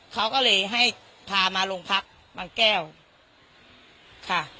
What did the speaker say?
เขาก็เลยให้พามาโรงพักบางแก้วค่ะ